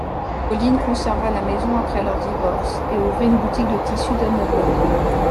Pauline conserva la maison après leur divorce et ouvrit une boutique de tissus d'ameublement.